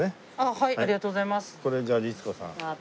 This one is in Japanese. はい。